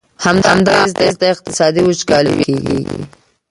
همدغه اغیزي ته اقتصادي وچکالي ویل کیږي.